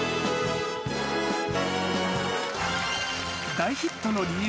大ヒットの理由